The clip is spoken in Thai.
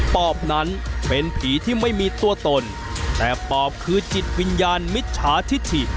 ปอบนั้นเป็นผีที่ไม่มีตัวตนแต่ปอบคือจิตวิญญาณมิจฉาธิ